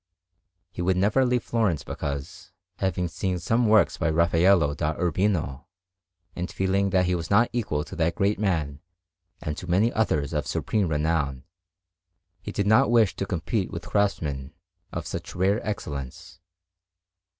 He would never leave Florence, because, having seen some works by Raffaello da Urbino, and feeling that he was not equal to that great man and to many others of supreme renown, he did not wish to compete with craftsmen of such rare excellence.